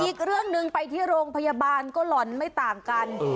อีกเรื่องหนึ่งไปที่โรงพยาบาลก็หล่อนไม่ต่างกัน